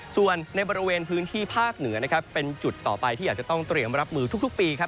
ส่วนในบริเวณพื้นที่ภาคเหนือนะครับเป็นจุดต่อไปที่อาจจะต้องเตรียมรับมือทุกปีครับ